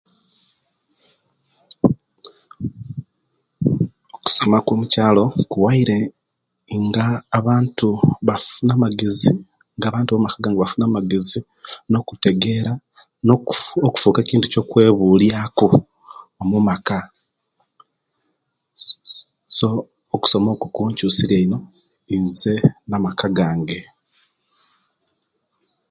Okusoma kwo mukyalo nkuwaire nga abantu bafuna amagezi nga abantu bo maka gange bafuna amagezi nokutegera nokufuuka ekintu ekyo kwebulya ku omumaka so okusoma okwo kunkyusiriye ino nze namaka gange